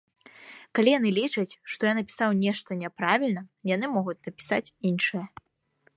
Калі яны лічаць, што я напісаў нешта няправільна, яны могуць напісаць іншае.